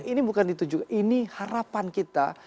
ini bukan ditujukan ini harapan kita